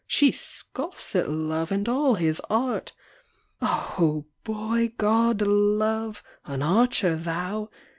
She scoffs at Love and all his art ! Oh, boy god, Love ! An archer thou